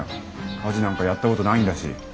家事なんかやった事ないんだし。